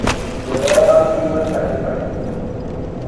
A word on human sacrifice.